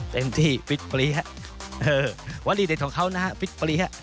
เต็มที่ฟิดปรี๊ะวันนี้เด็ดของเขานะฟิดปรี๊ะ